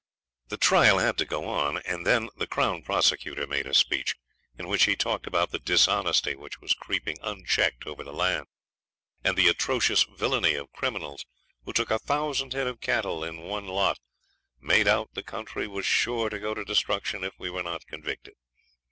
The trial had to go on, and then the Crown Prosecutor made a speech, in which he talked about the dishonesty which was creeping unchecked over the land, and the atrocious villainy of criminals who took a thousand head of cattle in one lot, and made out the country was sure to go to destruction if we were not convicted.